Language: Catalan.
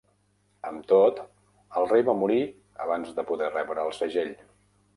Amb tot, el rei va morir abans de poder rebre el segell.